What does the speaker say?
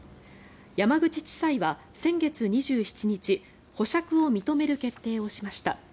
山口地裁は先月２７日保釈を認める決定をしました。